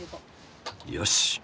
よし！